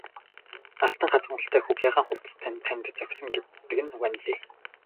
Алтан хатгамалтай хөх ягаан хувцас тань танд зохисон гэдэг нь ванлий!